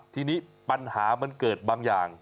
ทีนี้ปัญหามันเกิดบางอย่าง